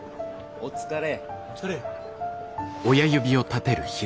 お疲れ。